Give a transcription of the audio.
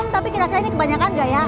tapi kira kira ini kebanyakan gak ya